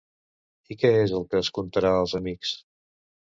I què és el que es contarà als amics?